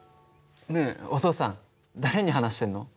ねえお父さん誰に話してるの？